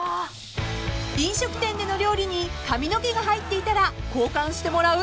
［飲食店での料理に髪の毛が入っていたら交換してもらう？